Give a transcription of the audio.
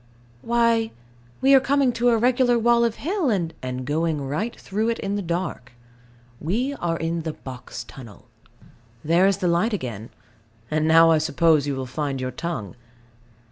Why, we are coming to a regular wall of hill, and And going right through it in the dark. We are in the Box Tunnel. There is the light again: and now I suppose you will find your tongue.